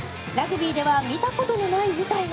ラグビーでは見たことのない事態が。